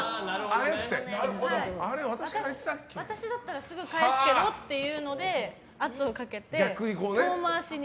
私だったらすぐ返すけどっていうので圧をかけて、遠回しに。